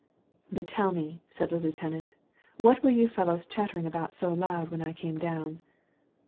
"But tell me," said the lieutenant, "what were you fellows chattering about so loud when I came down?"